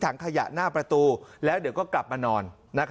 ที่ถังขยะหน้าประตูและก็กลับมานอน